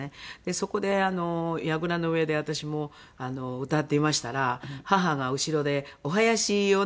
そこでやぐらの上で私も歌っていましたら母が後ろでおはやしをねやってくれてたんで。